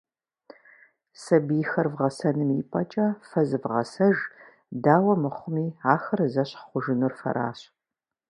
Сабийхэр вгъэсэным и пӏэкӏэ фэ зывгъэсэж, дауэ мыхъуми, ахэр зэщхь хъужынур фэращ.